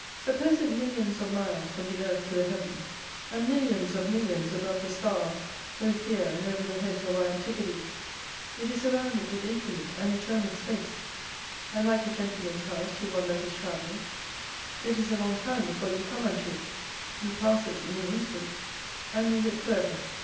Suppose it millions of miles from the Earth to the Heavens, and milHons of millions above the stars, both here and over the heads of our Antipodes : it is surrounded with infinite and eternal space : And like a gentleman's house to one that is travelling ; it is a long time before you come unto it, you pass it in an instant, and leave it for ever.